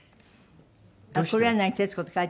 あっ「黒柳徹子」って書いてある。